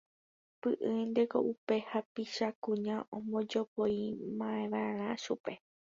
Py'ỹinteko upe hapicha kuña ombojopóimiva'erã ichupe.